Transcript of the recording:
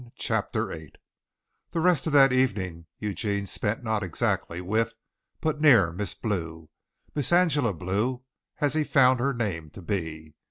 CHAPTER VIII The rest of that evening Eugene spent not exactly with, but near Miss Blue Miss Angela Blue, as he found her name to be.